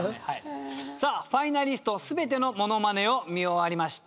さあファイナリスト全てのモノマネを見終わりました。